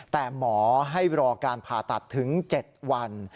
แต่หมอให้รอการผ่าตัดถึง๗วัน